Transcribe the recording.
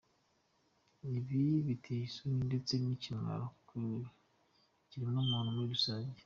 Ibi biteye isoni ndetse ni ikimwaro ku kiremwa muntu muri rusange.